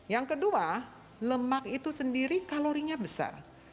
yang kedua lemak itu sendiri kalorinya besar